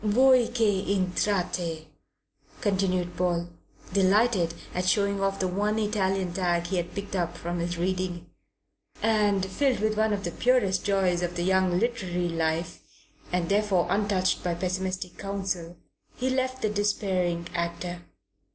"Voi che intrate," continued Paul, delighted at showing off the one Italian tag he had picked up from his reading. And filled with one of the purest joys of the young literary life and therefore untouched by pessimistic counsel, he left the despairing actor.